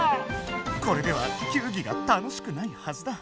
これでは球技が楽しくないはずだ。